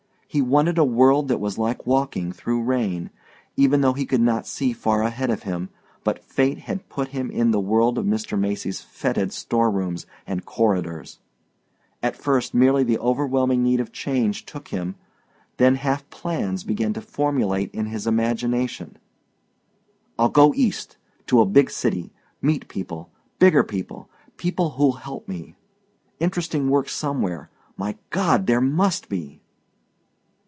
He wanted a world that was like walking through rain, even though he could not see far ahead of him, but fate had put him in the world of Mr. Macy's fetid storerooms and corridors. At first merely the overwhelming need of change took him, then half plans began to formulate in his imagination. "I'll go East to a big city meet people bigger people people who'll help me. Interesting work somewhere. My God, there MUST be."